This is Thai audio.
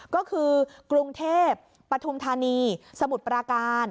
ก็คือกรุงเทพปฐุมธานีสมุทรปราการ